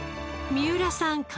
三浦さん